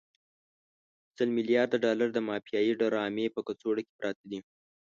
سل ملیارده ډالر د مافیایي ډرامې په کڅوړو کې پراته دي.